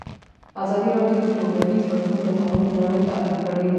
ازادي راډیو د ټولنیز بدلون د تحول لړۍ تعقیب کړې.